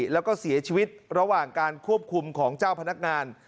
แล้วก็เสียชีวิตระหว่างการควบคุมของเจ้าพนักงาน